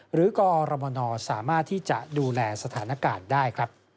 กอรมนสามารถที่จะดูแลสถานการณ์ได้ครับ